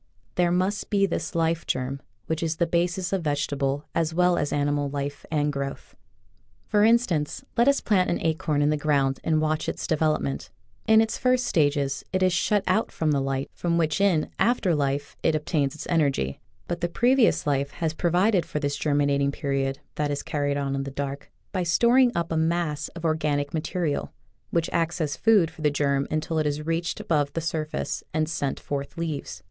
There must be this life germ, which is the basis of vegetable as well as animal life and growth. For instance, let us plant an acorn in the ground and watch its development. In its first stages it is shut out from the light from which in after life it obtains its energy, but the previous life has provided for this germinating period that is carried on in the dark by storing up a mass of organic material, which acts as food for the germ until it has reached above the surface and sent forth leaves.